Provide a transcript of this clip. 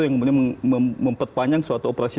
yang kemudian memperpanjang suatu operasi